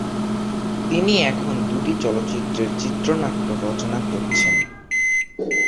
তিনি এখন দুটি চলচ্চিত্রের চিত্রনাট্য রচনা করছেন।